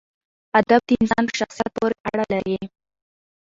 ادب د انسان په شخصیت پورې اړه لري.